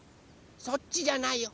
そっちじゃないよ。